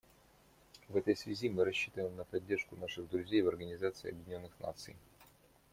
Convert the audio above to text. В этой связи мы рассчитываем на поддержку наших друзей в Организации Объединенных Наций.